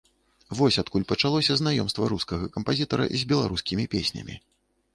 Вось адкуль пачалося знаёмства рускага кампазітара з беларускімі песнямі.